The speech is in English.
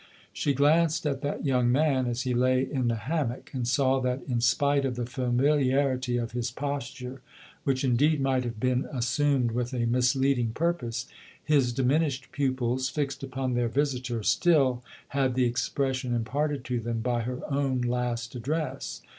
She glanced at that young man as he lay in the hammock, and saw that in spite of the familiarity of his posture which indeed might have been assumed with a misleading purpose his diminished pupils, fixed upon their visitor, still had the expression imparted to them by her own last address.